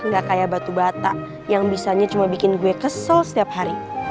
nggak kayak batu bata yang bisanya cuma bikin gue kesel setiap hari